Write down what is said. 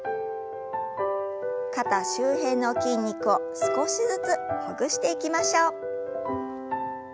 肩周辺の筋肉を少しずつほぐしていきましょう。